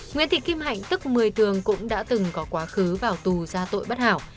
nguyễn thị kim hạnh tức một mươi thường cũng đã từng có quá khứ vào tù ra tội bất hảo